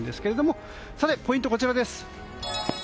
ポイントはこちらです。